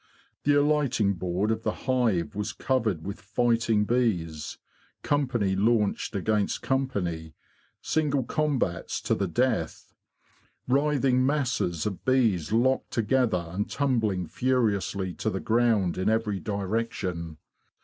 The alighting board of the hive was covered with fighting bees; company launched against company' single combats to the death; writhing masses of bees locked together and tumbling furiously to the ground in every direction.